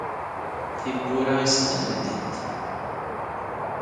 Tiwwura i snat ldint.